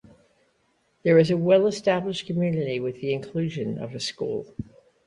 There is a well-established community with the inclusion of a school.